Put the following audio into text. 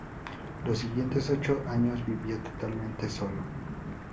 Los siguientes ocho años vivió totalmente solo.